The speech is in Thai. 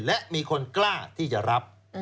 และมีคนกล้าที่จะรับ